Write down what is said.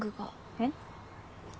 えっ？